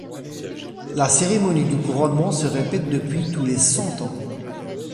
La cérémonie du couronnement se répète depuis tous les cent ans.